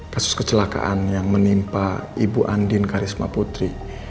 kasus kecelakaan yang menimpa ibu andin karisma putri